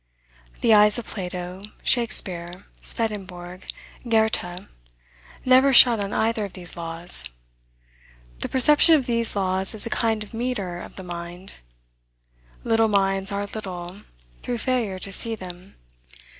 The eyes of Plato, Shakespeare, Swedenborg, Goethe, never shut on either of these laws. The perception of these laws is a kind of metre of the mind. Little minds are little, through failure to see them.